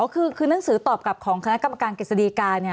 คือนังสือตอบกลับของคณะกรรมการกฤษฎีกา